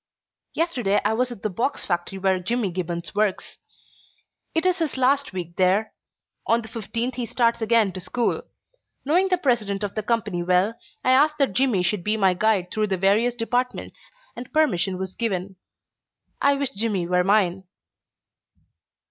Yesterday I was at the box factory where Jimmy Gibbons works. It is his last week there. On the fifteenth he starts again to school. Knowing the president of the company well, I asked that Jimmy should be my guide through the various departments, and permission was given. I wish Jimmy were mine.